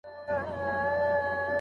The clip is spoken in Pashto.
تر اوسه هلک خپل اهداف نه دي ویلي.